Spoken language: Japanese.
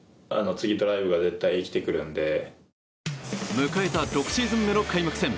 迎えた６シーズン目の開幕戦。